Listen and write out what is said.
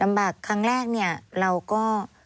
ลำบากครั้งแรกเนี่ยเราก็